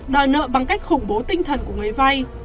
đòi nợ bằng cách khủng bố tinh thần của người vay